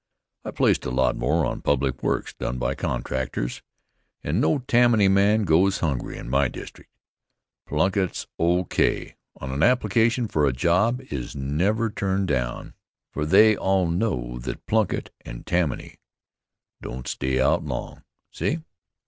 I placed a lot more on public works done by contractors, and no Tammany man goes hungry in my district. Plunkitt's O.K. on an application for a job is never turned down, for they all know that Plunkitt and Tammany don't stay out long. See!